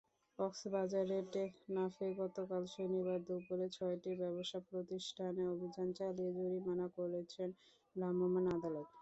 কক্সবাজারের টেকনাফে গতকাল শনিবার দুপুরে ছয়টি ব্যবসাপ্রতিষ্ঠানে অভিযান চালিয়ে জরিমানা করেছেন ভ্রাম্যমাণ আদালত।